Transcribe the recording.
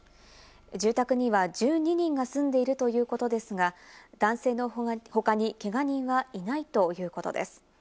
住宅には１２人が住んでいるということですが、男性の他にけが人はいないということです。